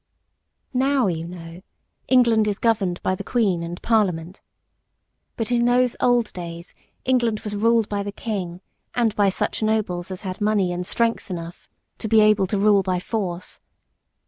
Now, you know, England is governed by the Queen and Parliament. But in those old days England was ruled by the King and by such nobles as had money and strength enough to be able to rule by force.